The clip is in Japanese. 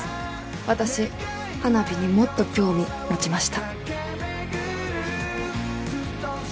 私花火にもっと興味持ちました。